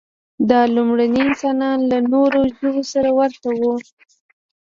دا لومړني انسانان له نورو ژوو سره ورته وو.